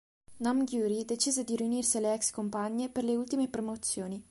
Nam Gyu-ri decise di riunirsi alle ex-compagne per le ultime promozioni.